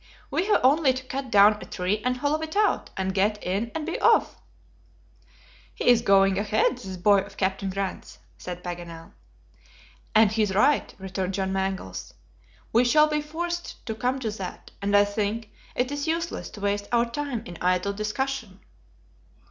"We have only to cut down a tree and hollow it out, and get in and be off." "He's going ahead, this boy of Captain Grant's!" said Paganel. "And he's right," returned John Mangles. "We shall be forced to come to that, and I think it is useless to waste our time in idle discussion."